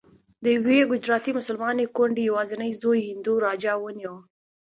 د یوې ګجراتي مسلمانې کونډې یوازینی زوی هندو راجا ونیو.